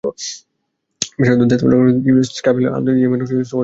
পেশাগত দায়িত্ব পালন করতে গিয়ে স্কাহিল ঘুরেছেন আফগানিস্তান, ইয়েমেন, সোমালিয়া প্রভৃতি দেশে।